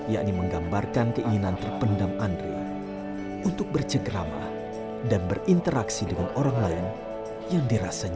yakni menggambarkan keinginan terpendam andri untuk bercengkrama dan berinteraksi dengan orang lain yang dirasanya